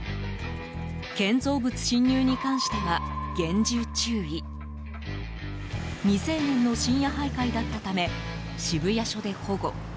建造物侵入に関しては厳重注意未成年の深夜徘徊だったため渋谷署で保護。